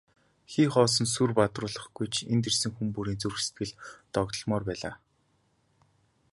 Хий хоосон сүр бадруулаагүй ч энд ирсэн хүн бүрийн зүрх сэтгэл догдолмоор байлаа.